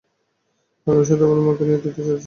আগামী সপ্তাহে আমার মাকে নিয়ে তীর্থে যাচ্ছি।